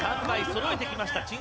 ３枚揃えてきました